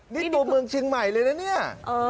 นี่ตัวเมืองเชียงใหม่เลยนะเนี่ย